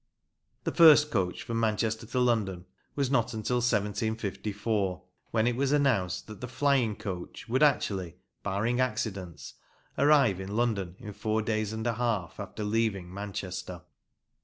The first coach from Manchester to London was not until 1754, when it was announced that the "Flying Coach" would actually (barring accidents) arrive in London in four days and a half after leaving Manchester.